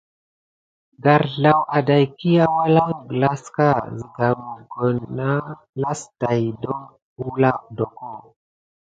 Garzlaw aɗäkiy awula gulaska si magaoula las na don wula duko.